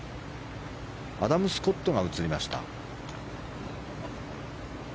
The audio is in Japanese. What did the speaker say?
アダム・スコットが映りました。